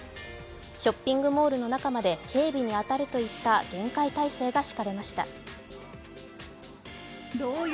ショッピングモールの中まで警備に当たるといった厳戒態勢が敷かれました。